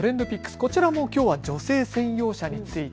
こちらもきょうは女性専用車について。